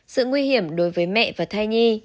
sự nguy hiểm đối với mẹ và thai nhi